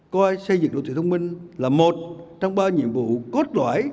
coi xây dựng đô thị thông minh là một trong ba nhiệm vụ cốt lõi